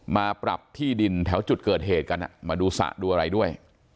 มาปรับที่ดินแถวจุดเกิดเหตุกันมาดูสระดูอะไรด้วย